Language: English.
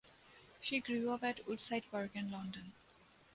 She grew up at Woodside Park in London.